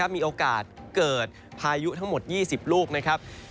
มีโอกาสเกิดพายุทั้งหมด๒๐ลูกนะครับ